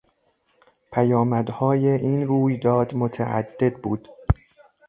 پیامدهای این رویداد متعدد بود.